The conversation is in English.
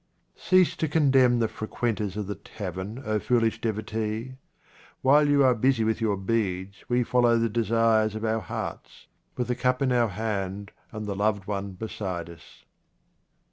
Cease to condemn the frequenters of the tavern, O foolish devotee. While you are busy with your beads we follow the desires of our hearts, with the cup in our hand and the loved one beside us.